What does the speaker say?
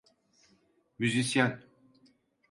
Müzisyen.